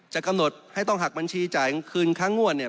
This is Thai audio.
กำหนดให้ต้องหักบัญชีจ่ายคืนค่างวดเนี่ย